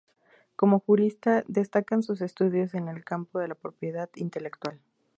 Como jurista, destacan sus estudios en el campo de la propiedad intelectual.